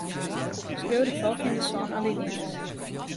Skriuw de folgjende sân alinea's.